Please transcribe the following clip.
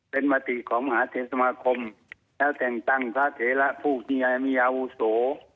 เป็นมติของมหาเทศสมาคมแล้วแต่งตั้งพระเถระผู้ที่ยังมีอาวุโส